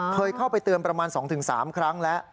เคยเข้าไปเตือนประมาณ๒๓ครั้งแล้ว